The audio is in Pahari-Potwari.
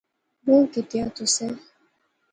بہوں کیتا تسیں